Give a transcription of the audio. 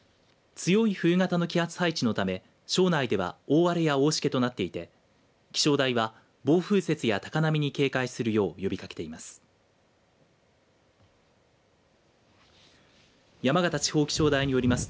強い冬型の気圧配置のため庄内では大荒れや大しけとなっていて気象台は暴風雪や高波に警戒するよう呼びかけています。